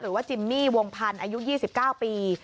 หรือว่าจิมมี่วงพันธุ์อายุ๒๙ปี